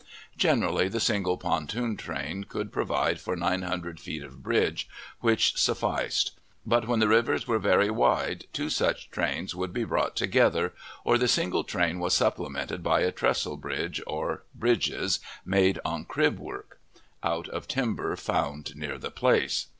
Generally the single pontoon train could provide for nine hundred feet of bridge, which sufficed; but when the rivers were very wide two such trains would be brought together, or the single train was supplemented by a trestle bridge, or bridges made on crib work, out of timber found near the place.